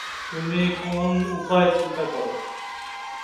তুমি কোন উপায় চিন্তা কর।